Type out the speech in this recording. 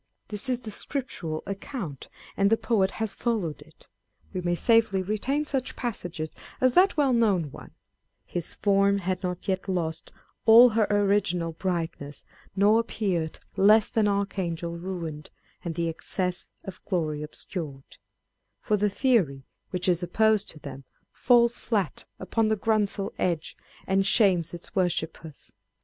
This is the Scriptural account, and the poet has followed it. We may safely retain such passages as that well known one â€" His form had not yet lost All her original brightness ; nor appear'd Less than archangel ruin'd ; and the excess Of glory obscur'd â€" for the theory, which is opposed to them, " falls flat upon the grunsel edge, and shames its worshippers."